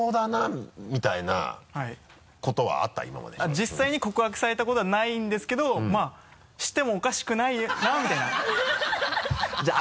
実際に告白されたことはないんですけどまぁ「してもおかしくないな」みたいなハハハ